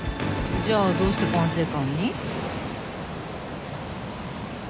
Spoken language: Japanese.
じゃあどうして管制官に？